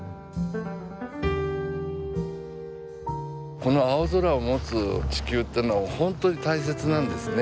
この青空を持つ地球ってのは本当に大切なんですね。